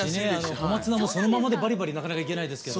小松菜もそのままでバリバリなかなかいけないですけど。